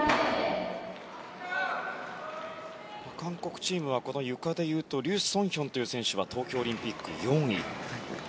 韓国チームは、ゆかでいうとリュ・ソンヒョンという選手は東京オリンピック４位。